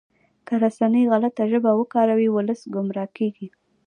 که رسنۍ غلطه ژبه وکاروي ولس ګمراه کیږي.